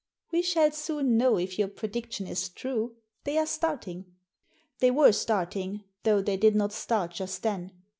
" We shall soon know if your prediction is true ; they are starting." They were starting, though they did not start just then.